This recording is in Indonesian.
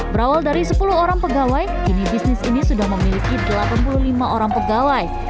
berawal dari sepuluh orang pegawai kini bisnis ini sudah memiliki delapan puluh lima orang pegawai